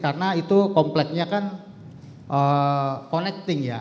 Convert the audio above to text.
karena itu kompleknya kan connecting ya